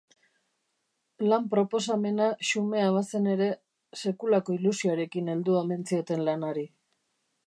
Lan-proposamena xumea bazen ere, sekulako ilusioarekin heldu omen zioten lanari.